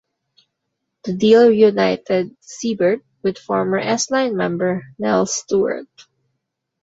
The deal reunited Siebert with former S Line member Nels Stewart.